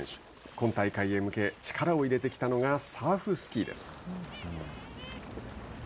今大会へ向け力を入れてきたのがサーフスキーです。